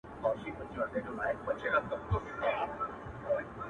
• پايزېب به دركړمه د سترگو توره.